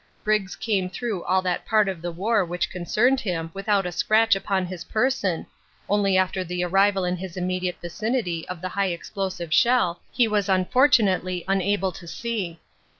Briggs came through all that part of the war which concerned him without a scratch upon his person only after the arrival in his immediate vicinity of the high explosive shell he was unfortunately unable to see.